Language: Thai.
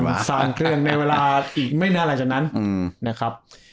สร้างเครื่องในเวลาอีกไม่นานหลังจากนั้นนะครับ